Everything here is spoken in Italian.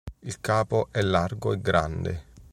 Il capo è largo e grande.